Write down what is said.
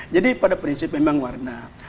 jadi pada prinsip memang warna